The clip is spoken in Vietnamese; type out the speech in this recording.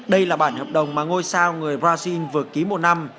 đây là bản hợp đồng mà ngôi sao người brazil vừa ký một năm